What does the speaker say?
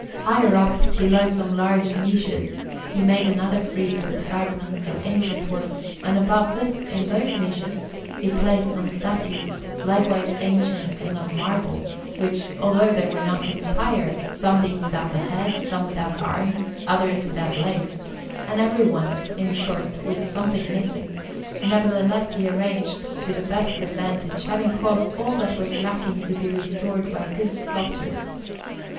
Higher up, below some large niches, he made another frieze with fragments of ancient works, and above this, in those niches, he placed some statues, likewise ancient and of marble, which, although they were not entire some being without the head, some without arms, others without legs, and every one, in short, with something missing nevertheless he arranged to the best advantage, having caused all that was lacking to be restored by good sculptors.